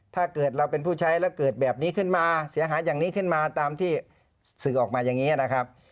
ถ้าเกิดเราเป็นผู้ใช้แล้วเกิดแบบนี้ขึ้นมาเสียหายอย่างนี้ขึ้นมาตามที่สื่อออกมาอย่างนี้นะครับ